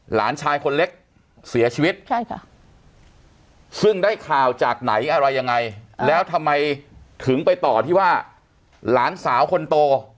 หลานชายคนเล็กเสียชีวิตใช่ค่ะซึ่งได้ข่าวจากไหนอะไรยังไงแล้วทำไมถึงไปต่อที่ว่าหลานสาวคนโต